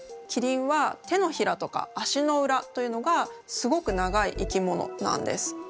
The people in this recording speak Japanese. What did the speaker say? キリンは手のひらとか足の裏というのがすごく長い生き物なんです。